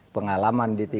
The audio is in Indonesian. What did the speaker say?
pengalaman berarti ya